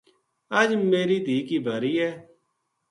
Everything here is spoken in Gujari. اج میری دھی کی باری ہے